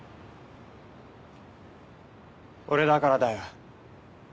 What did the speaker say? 俺だからだよ。